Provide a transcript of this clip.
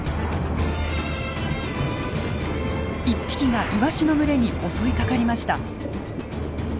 １匹がイワシの群れに襲いかかりました。